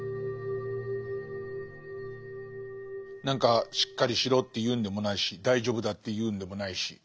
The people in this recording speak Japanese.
何かしっかりしろっていうんでもないし大丈夫だっていうんでもないし。